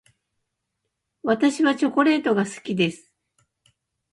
私はチョコレートが好きです。